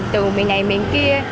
từ miền này miền kia